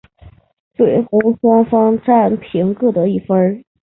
最终双方战平各得一分。